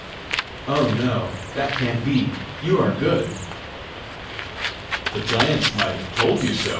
"Oh, no; that can't be! you are good!" "The giants might have told you so!"